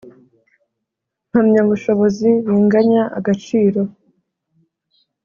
Mpamyabushobozi binganya agaciro.